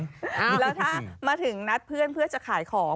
แล้วถ้ามาถึงนัดเพื่อนเพื่อจะขายของ